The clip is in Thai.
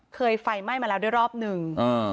ไฟไหม้มาแล้วด้วยรอบหนึ่ง